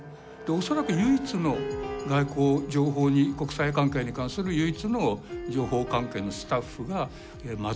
恐らく唯一の外交情報に国際関係に関する唯一の情報関係のスタッフが松田。